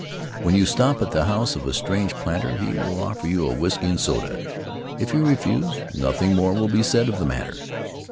When you stop at the house of a strange planter he will offer you a whisky and soda — if you refuse, nothing more At the House of Tari will be said of the matter.